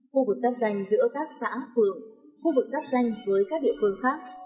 khu vực giáp danh giữa các xã phường khu vực giáp danh với các địa phương khác